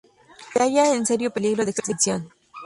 Se halla en serio peligro de extinción.